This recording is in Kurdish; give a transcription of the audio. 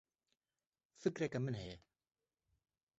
Fikreke min heye.